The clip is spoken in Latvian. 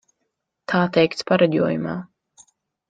Tā teikts pareģojumā.